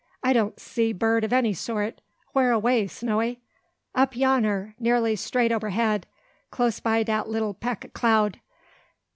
"I don't see bird o' any sort. Where away, Snowy?" "Up yonner, nearly straight ober head, close by dat lilly 'peck ob cloud.